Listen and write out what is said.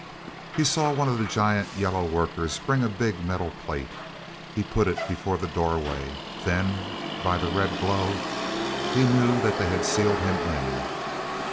He saw one of the giant yellow workers bring a big metal plate. He put it before the doorway; then, by the red glow, he knew that they had sealed him in.